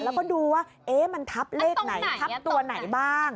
แล้วก็ดูว่ามันทับเลขไหนทับตัวไหนบ้าง